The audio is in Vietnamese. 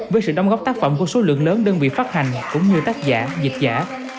với sự đóng góp tác phẩm của số lượng lớn đơn vị phát hành cũng như tác giả dịch giả